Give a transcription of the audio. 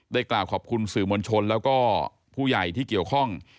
กล่าวขอบคุณสื่อมวลชนแล้วก็ผู้ใหญ่ที่เกี่ยวข้อง